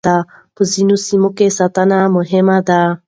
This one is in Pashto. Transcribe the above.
په ځينو سيمو کې ساتنه مهمه ده.